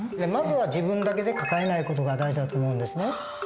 まずは自分だけで抱えない事が大事だと思うんですね。